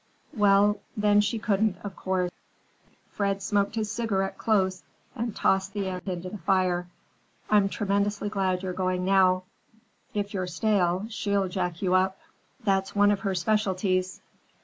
"Well, then she couldn't, of course." Fred smoked his cigarette close and tossed the end into the fire. "I'm tremendously glad you're going now. If you're stale, she'll jack you up. That's one of her specialties.